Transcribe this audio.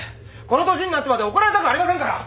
この年になってまで怒られたくありませんから！